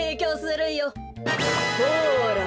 ほら。